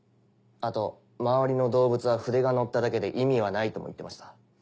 あと周りの動物は筆が乗っただけで意味はないとも言ってました。